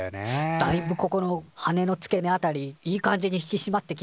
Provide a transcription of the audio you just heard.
「だいぶここの羽の付け根辺りいい感じに引きしまってきましたよ」とかね。